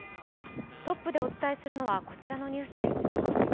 トップでお伝えするのは、こちらのニュースです。